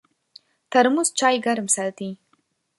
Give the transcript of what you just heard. ترموز چای ګرم ساتي.